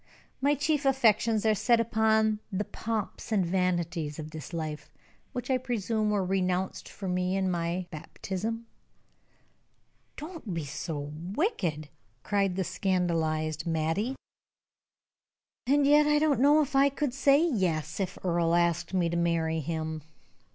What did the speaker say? "My chief affections are set upon the pomps and vanities of this life, which I presume were renounced for me in my baptism." "Don't be so wicked," cried the scandalized Mattie. "And yet I don't know that I could say 'yes,' if Earle asked me to marry him.